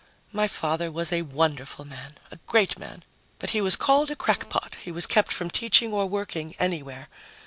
"My father was a wonderful man, a great man, but he was called a crackpot. He was kept from teaching or working anywhere.